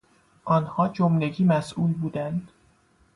آنها جملگی مسئول بودند.